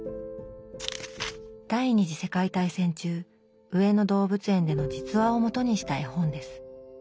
第２次世界大戦中上野動物園での実話を基にした絵本です。